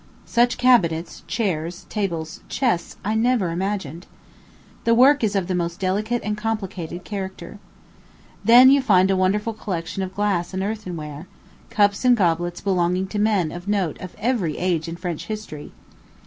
Such cabinets, chairs, tables, chests, I never imagined. The work is of the most delicate and complicated character. Then you find a wonderful collection of glass and earthen ware cups and goblets belonging to men of note of every age in French history.